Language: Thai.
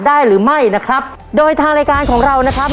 หรือไม่นะครับโดยทางรายการของเรานะครับ